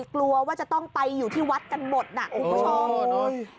กลัวว่าจะต้องไปอยู่ที่วัดกันหมดน่ะคุณผู้ชม